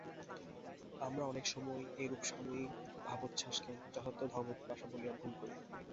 আমরা অনেক সময় এইরূপ সাময়িক ভাবোচ্ছ্বাসকে যথার্থ ধর্মপিপাসা বলিয়া ভুল করি।